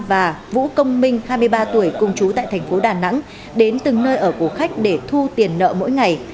và vũ công minh hai mươi ba tuổi cùng chú tại thành phố đà nẵng đến từng nơi ở của khách để thu tiền nợ mỗi ngày